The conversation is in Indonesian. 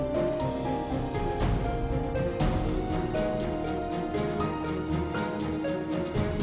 pasti yang dibokeng untuk kau